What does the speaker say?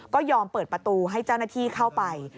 ก็ยอมเปิดประตูให้เจ้าหน้าที่เข้าไป